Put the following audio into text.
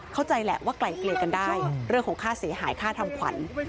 เข้าใจแหละว่าไกลเกลียกันได้เรื่องของค่าเสียหายค่าทำขวัญ